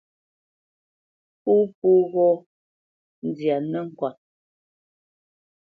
Pó po ghɔ̂ nzyâ nəŋkɔt.